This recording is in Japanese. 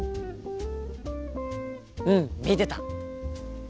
うん見てた！